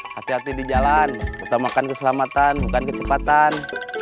hati hati di jalan utamakan keselamatan bukan kecepatan